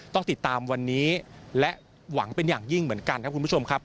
ต้องติดตามวันนี้และหวังเป็นอย่างยิ่งเหมือนกันครับคุณผู้ชมครับ